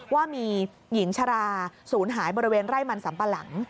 ว่ามีหญิงชราศูนย์หายบริเวณไร่มันสัมปะหลัง